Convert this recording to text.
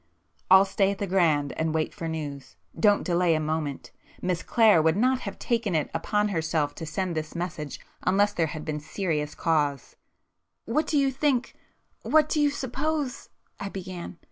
"I'll stay at the Grand, and wait for news. Don't delay a [p 390] moment,—Miss Clare would not have taken it upon herself to send this message, unless there had been serious cause." "What do you think—what do you suppose——" I began.